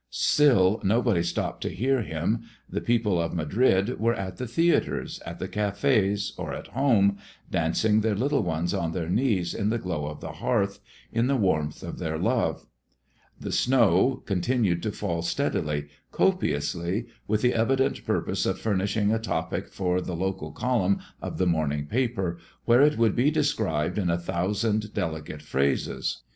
Still nobody stopped to hear him. The people of Madrid were at the theatres, at the cafés, or at home, dancing their little ones on their knees in the glow of the hearth, in the warmth of their love. The snow continued to fall steadily, copiously, with the evident purpose of furnishing a topic for the local column of the morning paper, where it would be described in a thousand delicate phrases.